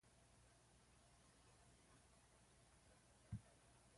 Limerick have never won the National League.